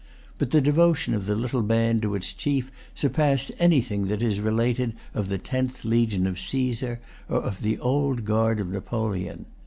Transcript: But the devotion of the little band to its chief surpassed anything that is related of the Tenth Legion of Caesar, or of the Old Guard of Napoleon.